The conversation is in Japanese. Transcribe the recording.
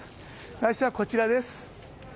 来週は、こちらです。